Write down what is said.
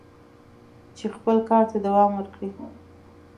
چې خپل کار ته دوام ورکړي."